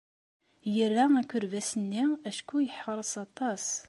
Yerra akerbas-nni acku yeḥṛes aṭas.